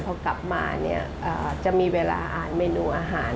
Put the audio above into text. พอกลับมาเนี่ยจะมีเวลาอ่านเมนูอาหาร